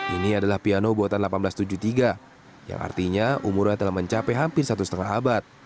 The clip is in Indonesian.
ini adalah piano buatan seribu delapan ratus tujuh puluh tiga yang artinya umurnya telah mencapai hampir satu setengah abad